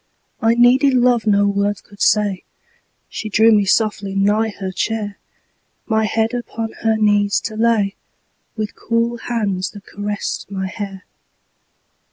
I needed love no words could say; She drew me softly nigh her chair, My head upon her knees to lay, With cool hands that caressed my hair.